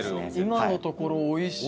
今のところ美味しい！